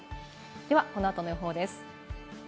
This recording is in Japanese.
ではこの後の予報です。